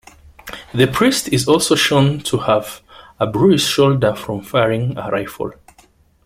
The priest is also shown to have a bruised shoulder from firing a rifle.